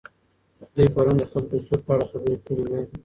دوی پرون د خپل کلتور په اړه خبرې کړې وې.